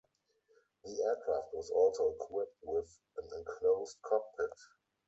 The aircraft was also equipped with an enclosed cockpit.